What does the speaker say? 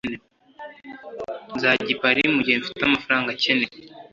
nzajya i paris mugihe mfite amafaranga akenewe.